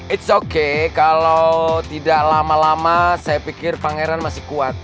it's okay kalau tidak lama lama saya pikir pangeran masih kuat